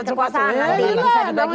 kekuasaan nanti bisa dibagi